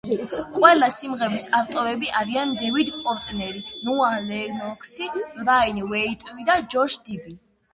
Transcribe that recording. ყველა სიმღერის ავტორები არიან დევიდ პორტნერი, ნოა ლენოქსი, ბრაიან ვეიტცი და ჯოშ დიბი.